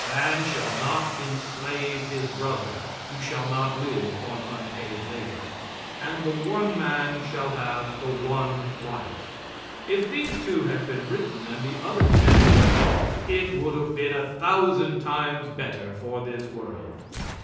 Man shall not enslave his brother, (you shall not live on unpaid labor), and the one man shall have the one wife. If these two had been written and the other ten left off, it would have been a thousand times better for this world.